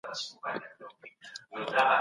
د مونوګراف لیکل ډیر زیار غواړي.